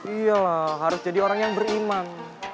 iya lah harus jadi orang yang beriman